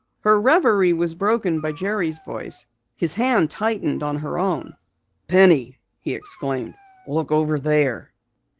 Her reverie was broken by Jerry's voice. His hand tightened on her own. "Penny!" he exclaimed. "Look over there!"